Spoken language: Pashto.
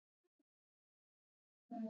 بزګان د افغان ځوانانو د هیلو استازیتوب کوي.